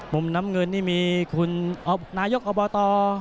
มุมน้ำเงินนี่มีคุณนายกอบต